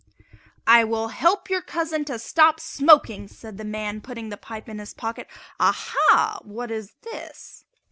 "I will help your cousin to stop smoking," said the man, putting the pipe in his pocket. "Aha! what is this?"